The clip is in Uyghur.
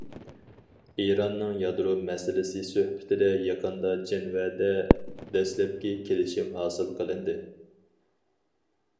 ئىراننىڭ يادرو مەسىلىسى سۆھبىتىدە يېقىندا جەنۋەدە دەسلەپكى كېلىشىم ھاسىل قىلىندى.